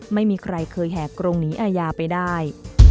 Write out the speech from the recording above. ไม่มีใครเคยแห่กรงหนีอาญาไปได้